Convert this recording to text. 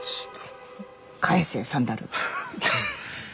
返せサンダル。